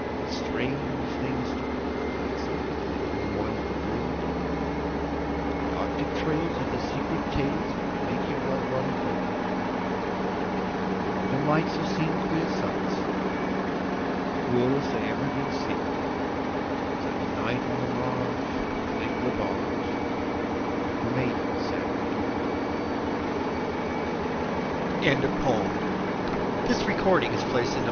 There are strange things done in the midnight sun By the men who moil for gold; The Arctic trails have their secret tales That would make your blood run cold; The Northern Lights have seen queer sights, But the queerest they ever did see Was that night on the marge of Lake Lebarge I cremated Sam McGee.